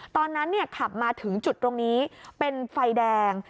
ตอนนั้นขับมาถึงจุดตรงนี้เป็นไฟแดง